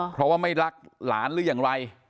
เพราะว่าไม่รักหลานหรืออย่างไร